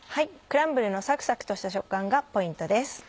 クランブルのサクサクとした食感がポイントです。